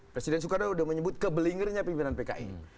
presiden soekarno sudah menyebut kebelingernya pimpinan pki